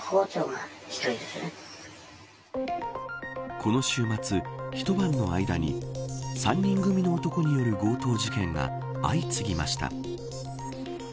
この週末一晩の間に３人組の男による強盗事件が相次ぎました。